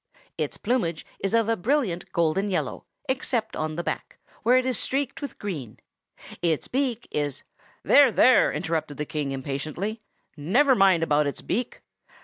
Its plumage is of a brilliant golden yellow, except on the back, where it is streaked with green. Its beak is—" "There! there!" interrupted the King impatiently; "never mind about its beak.